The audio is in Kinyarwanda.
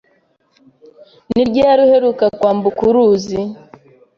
Ni ryari uheruka kwambuka uruzi?